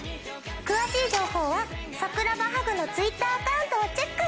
詳しい情報は桜葉ハグのＴｗｉｔｔｅｒアカウントをチェック。